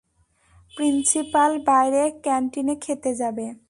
Principal বাইরে ক্যান্টিনে খেতে যাবে।